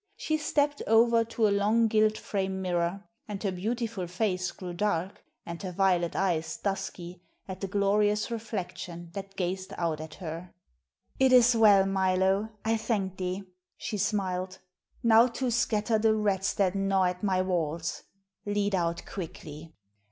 She stepped over to a long gilt framed mirror, and her beautiful face grew dark and her violet eyes dusky at the glorious reflection that gazed out at her. "It is well, Milo; I thank thee," she smiled. "Now to scatter the rats that gnaw at my walls. Lead out quickly."